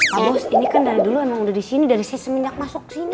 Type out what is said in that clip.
pak bos ini kan dari dulu emang udah di sini dari seseminyak masuk ke sini